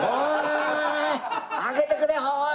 開けてくれおーい！」